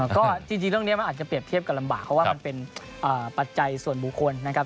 ก็จริงเรื่องนี้มันอาจจะเปรียบเทียบกันลำบากเพราะว่ามันเป็นปัจจัยส่วนบุคคลนะครับ